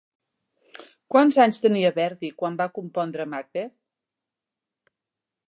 Quants anys tenia Verdi quan va compondre Macbeth?